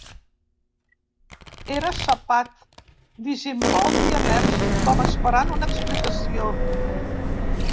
Era sapat, desimbolt i enèrgic, com esperant una explicació.